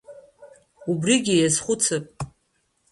Убригьы иазхәыцып.